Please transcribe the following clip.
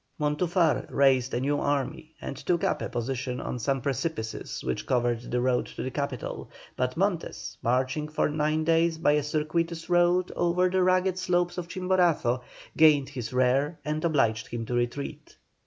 Montufar raised a new army, and took up a position on some precipices which covered the road to the capital, but Montes, marching for nine days by a circuitous route over the rugged slopes of Chimborazo, gained his rear and obliged him to retreat.